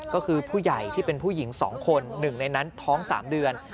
ก็คือผู้ใหญ่ที่เป็นผู้หญิง๒คนหนึ่งในนั้นท้อง๓เดือน